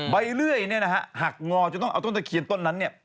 เลื่อยเนี่ยนะฮะหักงอจนต้องเอาต้นตะเคียนต้นนั้นเนี่ย